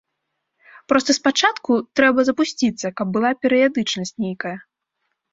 Проста спачатку трэба запусціцца, каб была перыядычнасць нейкая.